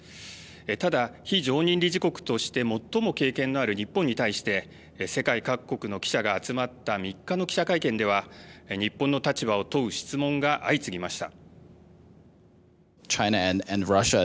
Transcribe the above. ただ、非常任理事国として最も経験のある日本に対して世界各国の記者が集まった３日の記者会見では日本の立場を問う質問が相次ぎました。